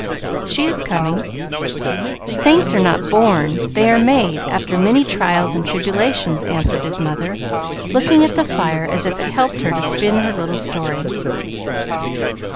"She is coming. Saints are not born they are made after many trials and tribulations," answered his mother, looking at the fire as if it helped her to spin her little story.